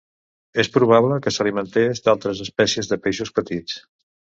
És probable que s'alimentés d'altres espècies de peixos petits.